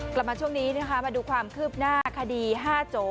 กลับมาช่วงนี้นะคะมาดูความคืบหน้าคดี๕โจ